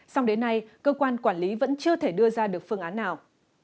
song đến nay cơ quan quản lý vẫn chưa thể đưa ra được phương án nào